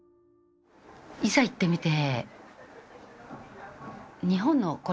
いざ行ってみて。